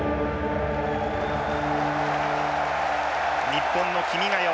日本の「君が代」。